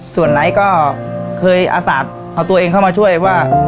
ส่วนไหนก็เคยอาสาเอาตัวเองเข้ามาช่วยว่า